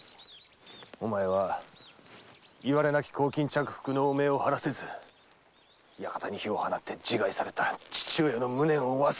お前はいわれなき公金着服の汚名を晴らせず館に火を放って自害された父上の無念を忘れたか？